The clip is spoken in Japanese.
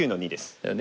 だよね。